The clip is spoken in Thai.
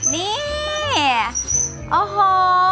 นี่โอ้โห